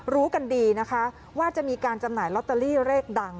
รู้กันดีนะคะว่าจะมีการจำหน่ายลอตเตอรี่เลขดัง